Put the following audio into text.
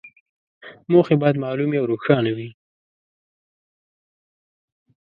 موخې باید معلومې او روښانه وي.